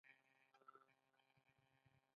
دا هماغه روسۍ نجلۍ وه چې حالت یې ډېر خراب و